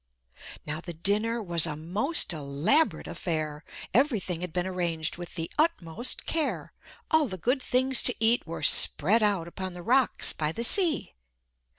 Now the dinner was a most elaborate affair. Everything had been arranged with the utmost care. All the good things to eat were spread out upon the rocks by the sea.